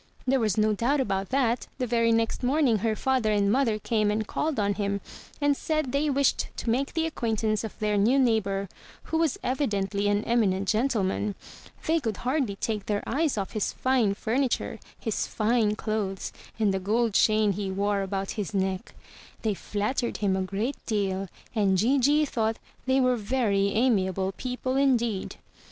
There was no doubt about that. The very next morning her father and mother came and called on him, and said they wished to make the acquaintance of their new neighbor, who was evidently an eminent gentleman. They could hardly take their eyes ofif his fine furniture, his fine clothes, and the gold chain he wore about his neck. They flattered him a great deal; and Gigi thought they were very amiable people indeed.